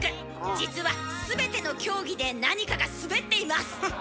実は全ての競技でなにかが滑っています！